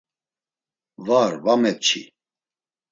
Var va mepçi.